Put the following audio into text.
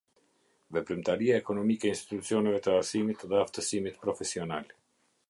Veprimtaria ekonomike e institucioneve të arsimit dhe aftësimit profesional.